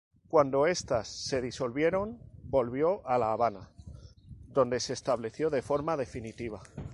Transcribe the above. Cuando estas se disolvieron volvió a La Habana, donde se estableció de forma definitiva.